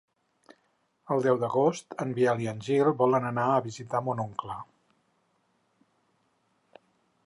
El deu d'agost en Biel i en Gil volen anar a visitar mon oncle.